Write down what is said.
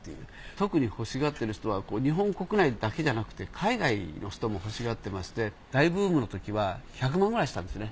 特に欲しがっている人は日本国内だけじゃなくて海外の人も欲しがってまして大ブームのときは１００万くらいしたんですね。